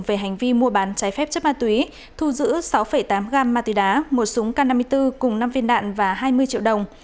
về hành vi mua bán trái phép chất ma túy thu giữ sáu tám gram ma túy đá một súng k năm mươi bốn cùng năm viên đạn và hai mươi triệu đồng